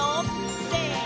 せの！